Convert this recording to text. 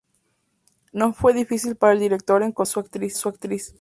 No fue difícil para el director encontrar a su actriz.